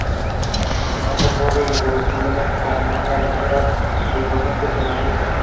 Esto ocurre irreversiblemente, cambiando el número de protones en el núcleo.